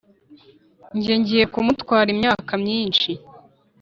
'njye ngiye kumutwara imyaka myinshi